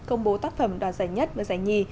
công bố tác phẩm đoàn giải nhất và giải nhi